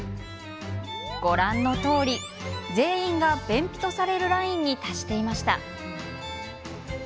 ご覧のとおり全員が便秘とされるラインに達していました。